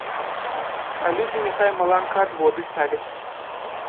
А людзі няхай маланкаадводы ставяць.